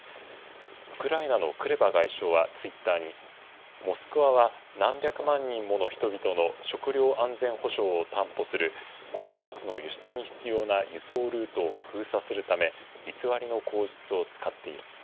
ウクライナのクレバ外相はツイッターに、モスクワは何百万人もの人々の食料安全保障を担保する穀物の輸出に必要な輸送ルートを封鎖するため偽りの口実を使っている。